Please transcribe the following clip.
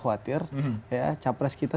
khawatir cawa press kita